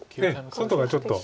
外がちょっと。